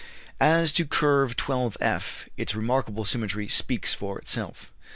As to Curve 12_F_, its remarkable symmetry speaks for itself.